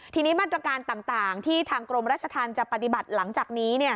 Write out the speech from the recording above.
ทีนี้มาตรการต่างที่ทางกรมราชธรรมจะปฏิบัติหลังจากนี้